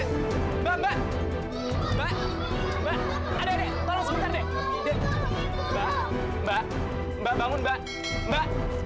sampai jumpa di video selanjutnya